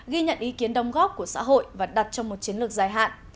ghi nhận ý kiến đồng góp của xã hội và đặt trong một chiến lược dài hạn